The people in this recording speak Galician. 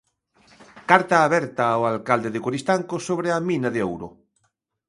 Carta aberta ao alcalde de Coristanco sobre a mina de ouro.